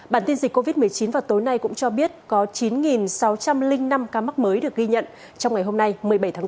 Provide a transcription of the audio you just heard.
bản tin dịch covid một mươi chín vào tối nay cũng cho biết có chín sáu trăm linh năm ca mắc mới được ghi nhận trong ngày hôm nay một mươi bảy tháng bảy